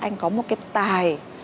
anh có một cái tài